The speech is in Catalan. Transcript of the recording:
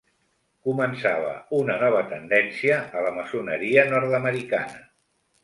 Començava una nova tendència a la maçoneria nord-americana.